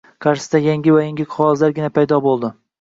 qarshisida yangi va yangi qogʻozlargina paydo boʻldi